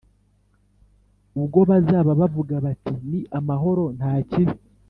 Ubwo bazaba bavuga bati Ni amahoro nta kibi